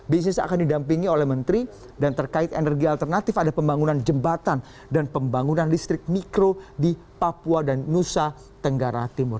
bisnis akan didampingi oleh menteri dan terkait energi alternatif ada pembangunan jembatan dan pembangunan listrik mikro di papua dan nusa tenggara timur